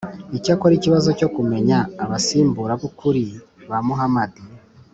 icyakora ikibazo cyo kumenya abasimbura b’ukuri ba muhamadi